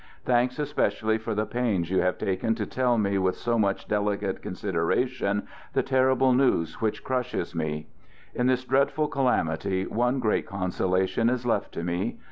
Thanks : especially for the pains you have taken to tell me with so much delicate consideration the terrible news which crushes me. ... In this dreadful calamity, one great consolation is left to me.